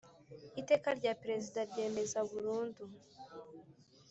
Iteka rya Perezida ryemeza burundu